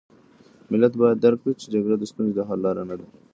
ملت باید درک کړي چې جګړه د ستونزو د حل لاره نه ده.